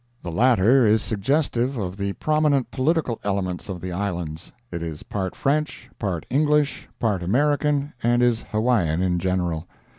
The latter is suggestive of the prominent political elements of the Islands. It is part French, part English, part American and is Hawaiian in general.